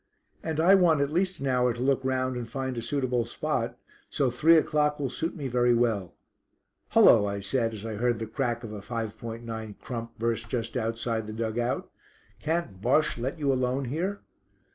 "And I want at least an hour to look round and find a suitable spot; so three o'clock will suit me very well." "Hullo!" I said, as I heard the crack of a 5.9 crump burst just outside the dug out. "Can't Bosche let you alone here?"